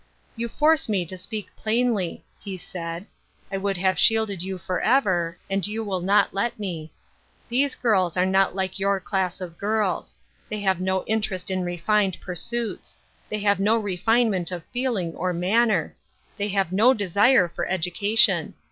" You force me to speak plainly," he said. " I would have shielded you forever, and you will not let me. These girls are not like your class of girls. They have no interest in refined pursuits. They have no refinement of feeling or manner. They have no desire for education.